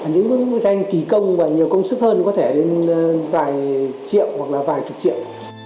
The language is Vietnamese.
những bức tranh kỳ công và nhiều công sức hơn có thể vài triệu hoặc là vài chục triệu